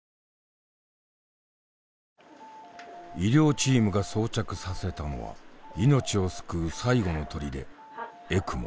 医療チームが装着させたのは命を救う最後のとりでＥＣＭＯ。